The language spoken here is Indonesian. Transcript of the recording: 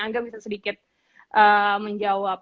angga bisa sedikit menjawab